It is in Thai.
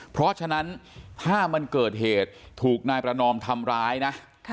เพราะฉะนั้นถ้ามันเกิดเหตุถูกนายประนอมทำร้ายนะ